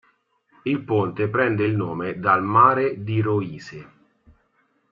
Il ponte prende il nome dal Mare d'Iroise.